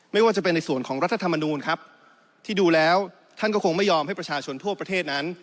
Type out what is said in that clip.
ไม่ว่าจะเป็นในส่วนของรัฐธรรมนูลครับที่ดูแล้วท่านก็คงไม่ยอมให้ประชาชนทั่วประเทศนั้น